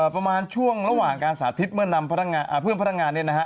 ประมาณช่วงระหว่างการสาธิตเมื่อนำเพื่อนพนักงานเนี่ยนะฮะ